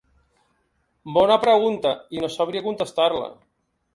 Bona pregunta i no sabria contestar-la.